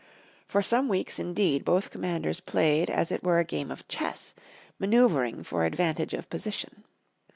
For some weeks indeed both commanders played as it were a game of chess, maneuvering for advantage of position.